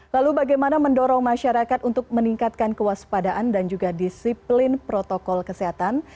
lalu bagaimana mendorong masyarakat untuk meningkatkan kewaspadaan dan juga disiplin protokol kesehatan